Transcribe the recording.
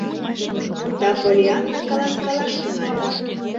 Да Поллианна каласкалаш тӱҥале.